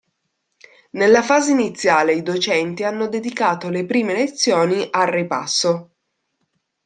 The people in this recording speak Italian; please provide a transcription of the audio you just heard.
Nella fase iniziale i Docenti hanno dedicato le prime lezioni al ripasso.